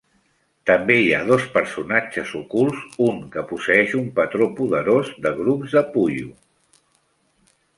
També hi ha dos personatges ocults, un que posseeix un patró poderós de grups de Puyo.